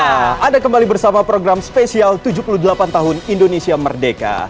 nah ada kembali bersama program spesial tujuh puluh delapan tahun indonesia merdeka